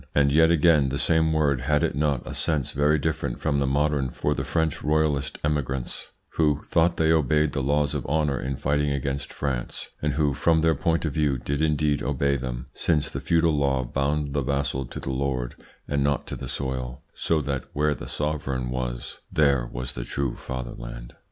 And yet again, the same word had it not a sense very different from the modern for the French royalist emigrants, who thought they obeyed the laws of honour in fighting against France, and who from their point of view did indeed obey them, since the feudal law bound the vassal to the lord and not to the soil, so that where the sovereign was there was the true fatherland?